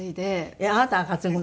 えっあなたが担ぐの？